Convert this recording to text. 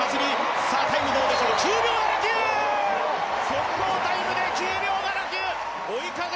速報タイムで９秒７９。